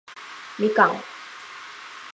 みかん